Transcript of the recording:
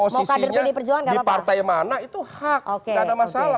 posisinya di partai mana itu hak gak ada masalah